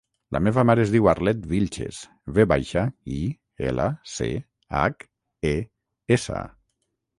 La meva mare es diu Arlet Vilches: ve baixa, i, ela, ce, hac, e, essa.